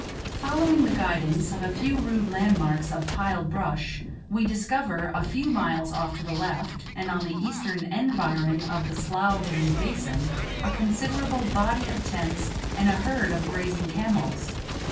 Following the guidance of a few rude landmarks of piled brush, we discover, a few miles off to the left, and on the eastern environ of the slough veined basin, a considerable body of tents and a herd of grazing camels.